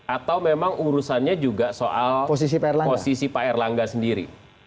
atau memang urusannya juga soal posisi pak erlangga sendiri